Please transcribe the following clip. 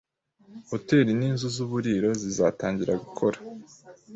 Hoteli n'inzu z'uburiro zizatangira gukora